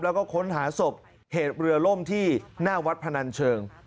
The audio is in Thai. แล้วก็ค้นหาศพเหตุเรือล่มที่หน้าวัดพนันเชิง